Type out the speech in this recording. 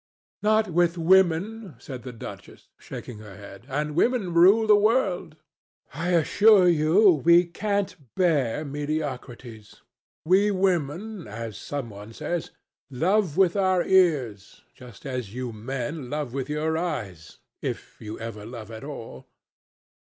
"Not with women," said the duchess, shaking her head; "and women rule the world. I assure you we can't bear mediocrities. We women, as some one says, love with our ears, just as you men love with your eyes, if you ever love at all."